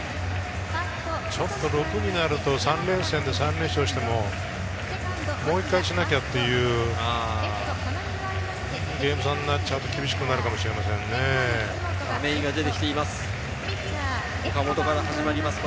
ちょっと６になると、３連戦で３連勝しても、もう一回しなきゃっていうゲーム差になっちゃうと厳しくなるかもしれませんね。